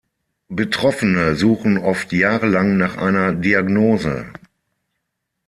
Betroffene suchen oft jahrelang nach einer Diagnose.